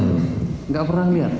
tidak pernah lihat